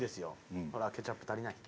ほらケチャップ足りない。